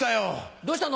どうしたの？